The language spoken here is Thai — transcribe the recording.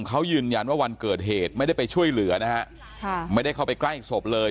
เขายืนยันว่าวันเกิดเหตุไม่ได้ไปช่วยเหลือนะฮะค่ะไม่ได้เข้าไปใกล้ศพเลย